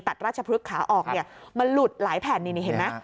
ราชพฤกษ์ขาออกเนี่ยมันหลุดหลายแผ่นนี่เห็นไหม